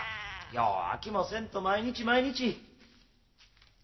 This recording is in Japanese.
よう飽きもせんと毎日毎日。